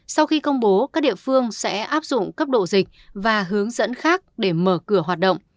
sau khi công bố các địa phương sẽ áp dụng cấp độ dịch và hướng dẫn khác để mở cửa hoạt động